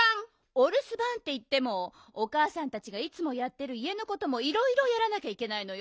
おるすばんっていってもおかあさんたちがいつもやってるいえのこともいろいろやらなきゃいけないのよ。